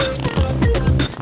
wah keren banget